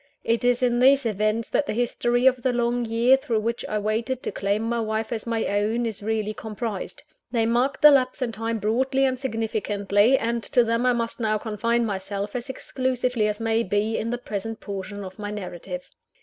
It is in these events that the history of the long year through which I waited to claim my wife as my own, is really comprised. They marked the lapse of time broadly and significantly; and to them I must now confine myself, as exclusively as may be, in the present portion of my narrative.